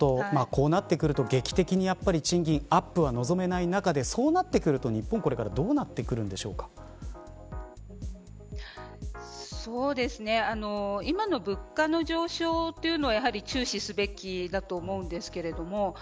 こうなってくると劇的に賃金アップは望めない中でそうなってくると日本はこれからどうなって今の物価の上昇というのをやはり注視すべきだと思うんです。